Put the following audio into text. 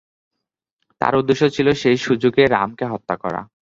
তার উদ্দেশ্য ছিল সেই সুযোগে রামকে হত্যা করা।